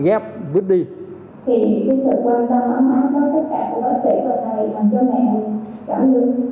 mình mẹ cũng hơi xin gửi lời cảm ơn đến tất cả các bác sĩ ở bệnh viện